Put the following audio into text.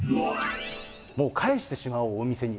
もう返してしまおう、お店に。